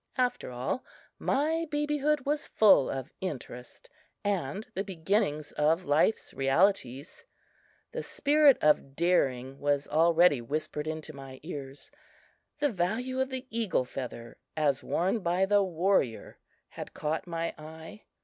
After all, my babyhood was full of interest and the beginnings of life's realities. The spirit of daring was already whispered into my ears. The value of the eagle feather as worn by the warrior had caught my eye.